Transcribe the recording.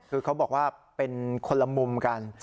คือเขาบอกว่าเป็นคนละมุมกัน